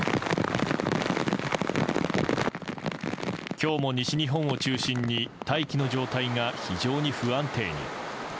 今日も西日本を中心に大気の状態が非常に不安定に。